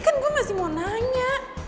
kan gue masih mau nanya